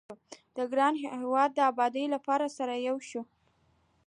د ګران هيواد دي ابادي لپاره بايد سره يو شو